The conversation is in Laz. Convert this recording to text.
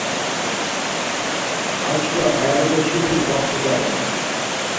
Açkva hayalepeçkimis vatxozare.